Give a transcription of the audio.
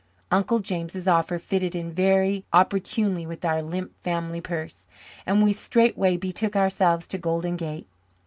Uncle James's offer fitted in very opportunely with our limp family purse, and we straightway betook ourselves to Golden Gate.